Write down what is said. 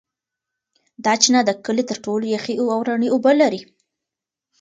دا چینه د کلي تر ټولو یخې او رڼې اوبه لري.